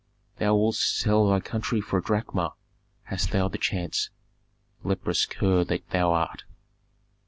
Thou wouldst sell thy country for a drachma hadst thou the chance, leprous cur that thou art!"